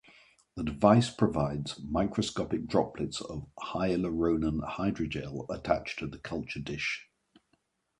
The device provides microscopic droplets of hyaluronan hydrogel attached to the culture dish.